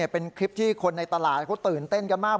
เป็นคลิปที่คนในตลาดเขาตื่นเต้นกันมาก